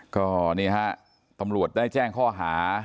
ก็นี่ฮะตำรวจได้แจ้งข้อหา